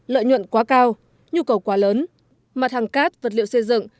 lợi nhuận quá cao nhu cầu quá lớn mặt hàng cát vật liệu xây dựng